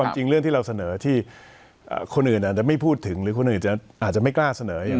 จริงเรื่องที่เราเสนอที่คนอื่นอาจจะไม่พูดถึงหรือคนอื่นอาจจะไม่กล้าเสนออย่าง